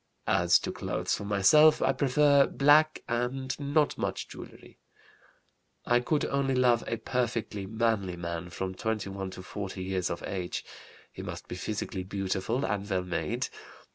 As to clothes for myself, I prefer black and not much jewelry. "I could only love a perfectly manly man from 21 to 40 years of age. He must be physically beautiful and well made.